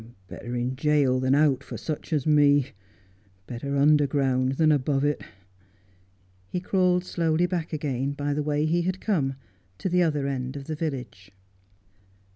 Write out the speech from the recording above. ' Better in jail than out for such as me — better underground than above it.' He crawled slowly back again, by the way he had come, to the other end of the village.